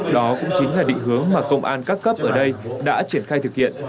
đó cũng chính là định hướng mà công an các cấp ở đây đã triển khai thực hiện